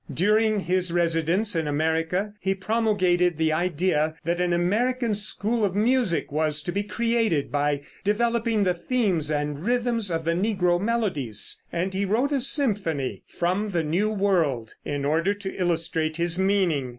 During his residence in America he promulgated the idea that an American school of music was to be created by developing the themes and rhythms of the negro melodies, and he wrote a symphony, "From the New World," in order to illustrate his meaning.